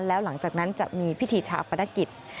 แล้วหลังจากนั้นจะมีพิธีชาปนกิจ